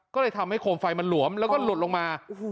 ก็เลยทำให้โคมไฟมันหลวมแล้วก็หลุดลงมา